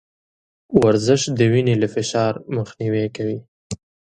ورزش د وينې له فشار مخنيوی کوي.